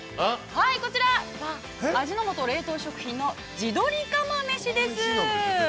はい、こちら、味の素冷凍食品の、地鶏釜めしです。